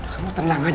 kamu tenang aja